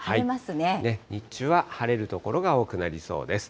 日中は晴れる所が多くなりそうです。